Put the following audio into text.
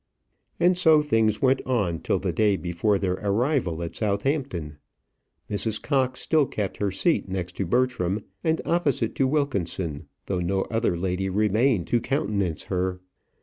And so things went on till the day before their arrival at Southampton. Mrs. Cox still kept her seat next to Bertram, and opposite to Wilkinson, though no other lady remained to countenance her.